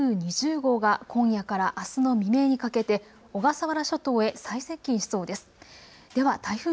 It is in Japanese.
台風２０号が今夜からあすの未明にかけて小笠原諸島へ最接近しそうです。